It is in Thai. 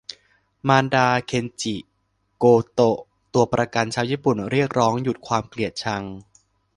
มารดา "เคนจิ โกโตะ" ตัวประกันชาวญี่ปุ่น เรียกร้องหยุดความเกลียดชัง